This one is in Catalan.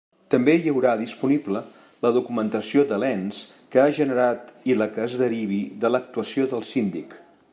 També hi haurà disponible la documentació de l'ens que ha generat i la que es derivi de l'actuació del Síndic.